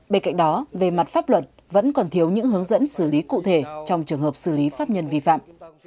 bên cạnh đó về mặt pháp luật vẫn còn thiếu những hướng dẫn xử lý cụ thể trong trường hợp xử lý pháp nhân vi phạm